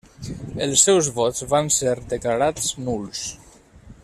Els seus vots van ser declarats nuls.